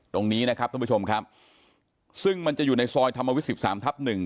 ตรงนี้นะครับท่านผู้ชมครับซึ่งมันจะอยู่ในซอยธรรมวิทสิบสามทับหนึ่ง